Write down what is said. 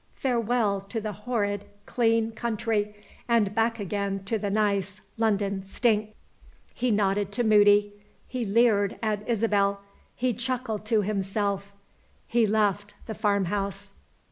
Farewell to the horrid clean country, and back again to the nice London stink!" He nodded to Moody he leered at Isabel he chuckled to himself he left the farmhouse.